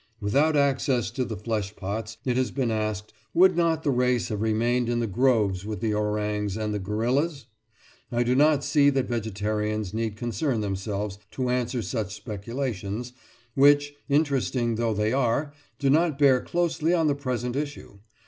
Without access to the flesh pots, it has been asked, would not the race have remained in the groves with the orangs and the gorillas? I do not see that vegetarians need concern themselves to answer such speculations, which, interesting though they are, do not bear closely on the present issue.